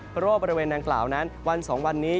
เพราะว่าบริเวณดังกล่าวนั้นวัน๒วันนี้